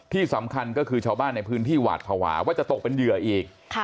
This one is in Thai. ที่สำคัญก็คือชาวบ้านในพื้นที่หวาดภาวะว่าจะตกเป็นเหยื่ออีก